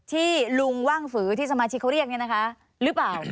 ที่ลุงว่างฝือที่สมาชิกเขาเรียกเนี่ยนะคะหรือเปล่า